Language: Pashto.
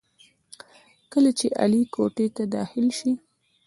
کله چې علي کوټې ته داخل شي،